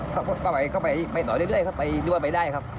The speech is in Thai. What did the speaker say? เขาป่าวไปไปต่อเรื่อยหรือว่าไปได้ครับ